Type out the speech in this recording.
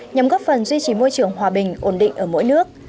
nhằm góp phần duy trì môi trường hòa bình ổn định ở mỗi nước